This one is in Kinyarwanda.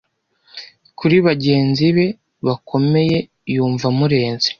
kuri bagenzi be bakomeye yumva amurenze